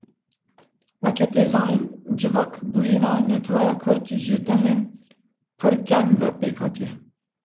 Weke tê zanîn, civakîbûyîna neteweya kurd ji demên pir kevn ve pêk hatiye.